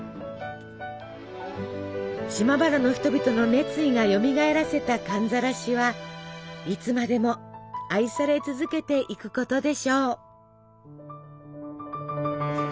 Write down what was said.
島原の人々の熱意がよみがえらせた寒ざらしはいつまでも愛され続けていくことでしょう。